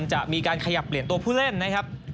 จะมีการขยับเปลี่ยนตัวผู้เล่นนะครับ